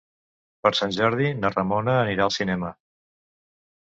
Per Sant Jordi na Ramona anirà al cinema.